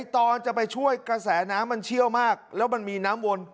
ตอนจะไปช่วยกระแสน้ำมันเชี่ยวมากแล้วมันมีน้ำวน